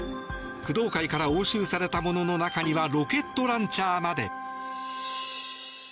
工藤会から押収されたものの中にはロケットランチャーまで。